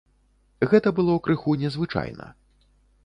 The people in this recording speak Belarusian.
Гэта было крыху незвычайна.